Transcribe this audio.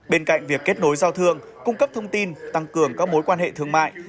bên cạnh việc kết nối giao thương cung cấp thông tin tăng cường các mối quan hệ thương mại